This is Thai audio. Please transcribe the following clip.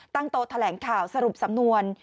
โตแถลงข่าวสรุปสำนวน